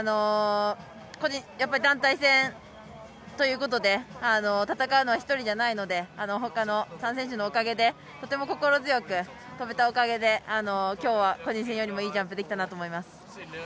やっぱり団体戦ということで、戦うのは１人じゃないので、他の３選手のおかげで、とても心強く飛べたおかげで、今日は個人戦よりもいいジャンプができたと思います。